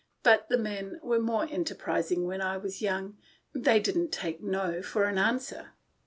But the men were more enterprising when I was young. They didn't take 'no' for an answer."